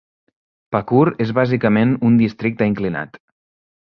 Pakur és bàsicament un districte inclinat.